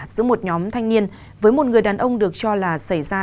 giữa một nhóm thanh niên với một người đàn ông được cho là xảy ra